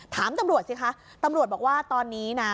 ถามตำรวจสิคะตำรวจบอกว่าตอนนี้นะ